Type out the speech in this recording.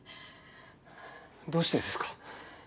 どうしてですか？